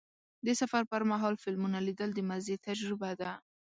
د سفر پر مهال فلمونه لیدل د مزې تجربه ده.